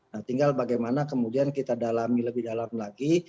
nah tinggal bagaimana kemudian kita dalami lebih dalam lagi